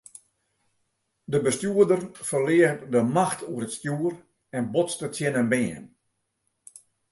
De bestjoerder ferlear de macht oer it stjoer en botste tsjin in beam.